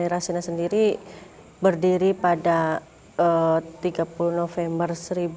ternyata kita sendiri berdiri pada tiga puluh november seribu sembilan ratus sembilan puluh sembilan